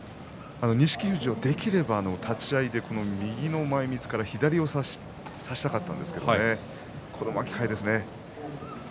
錦富士ができれば立ち合いで右の前みつから左を差したかったんですけれどもこの巻き替えですね。